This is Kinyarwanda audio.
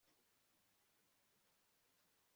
abatware b'i sikemu bahanirwe ko